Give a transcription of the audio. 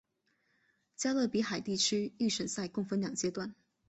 加勒比海地区预选赛共分两阶段。